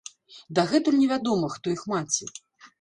Дагэтуль невядома, хто іх маці.